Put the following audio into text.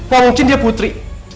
gak mungkin dia putri